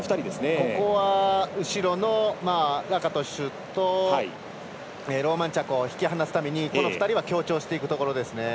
ここは後ろのラカトシュとローマンチャックを引き離すために、この２人は協調していくところですね。